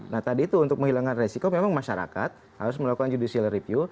nah tadi itu untuk menghilangkan resiko memang masyarakat harus melakukan judicial review